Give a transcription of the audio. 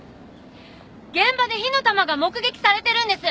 現場で火の玉が目撃されてるんです！